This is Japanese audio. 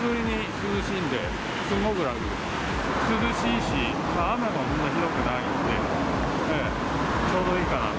涼しいし、雨もそんなにひどくないんで、ちょうどいいかなと。